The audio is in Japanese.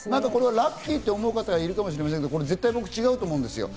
ラッキーって思う方いるかもしれませんが、僕違うと思うんです。